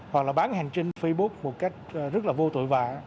mà nó bán hàng trên facebook một cách rất là vô tội vạ